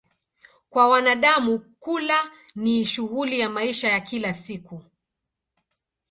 Kwa wanadamu, kula ni shughuli ya maisha ya kila siku.